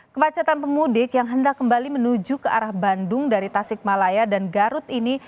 kedaraan pemudik yang menuju jakarta dan ke arah jawa tengah bertemu di jalur ini